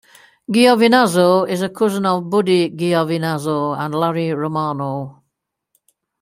Giovinazzo is a cousin of Buddy Giovinazzo and Larry Romano.